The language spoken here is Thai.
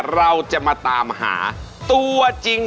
เราจะมาตามหาตัวจริง